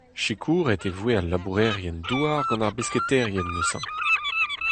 Sikouret e voe al labourerien-douar gant ar besketaerien neuze.